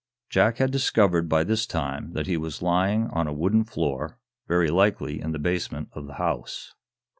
Jack had discovered, by this time, that he was lying on a wooden floor, very likely in the basement of the house.